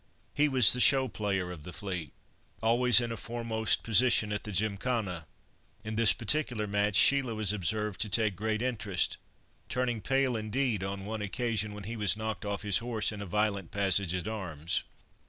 He was the show player of the fleet; always in a foremost position at the gymkhana. In this particular match, Sheila was observed to take great interest, turning pale, indeed, on one occasion when he was knocked off his horse in a violent passage at arms.